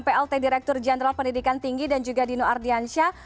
plt direktur jenderal pendidikan tinggi dan juga dino ardiansyah